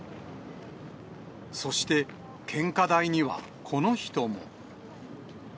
そして、献花台にはこの人も。